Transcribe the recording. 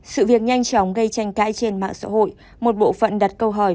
sự việc nhanh chóng gây tranh cãi trên mạng xã hội một bộ phận đặt câu hỏi